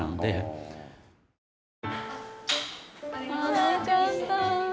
泣いちゃった。